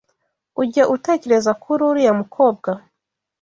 Ujya utekereza kuri uriya mukobwa?